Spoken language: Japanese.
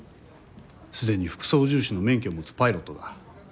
すでに副操縦士の免許を持つパイロットだ。